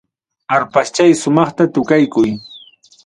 Arpaschay sumaqta tukaykuy.